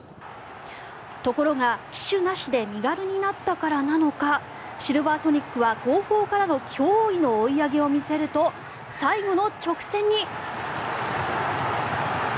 ところが騎手なしで身軽になったからなのかシルヴァーソニックは後方からの驚異の追い上げを見せると最後の直線に。